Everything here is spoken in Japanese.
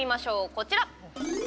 こちら！